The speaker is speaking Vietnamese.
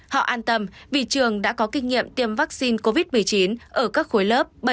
họ an tâm vì trường đã có kinh nghiệm tiêm vaccine covid một mươi chín ở các khối lớp bảy tám chín